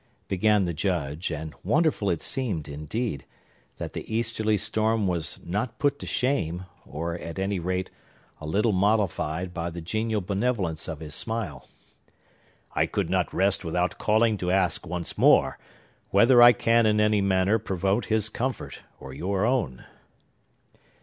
began the Judge; and wonderful it seemed, indeed, that the easterly storm was not put to shame, or, at any rate, a little mollified, by the genial benevolence of his smile. "I could not rest without calling to ask, once more, whether I can in any manner promote his comfort, or your own."